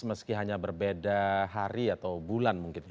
meski hanya berbeda hari atau bulan mungkin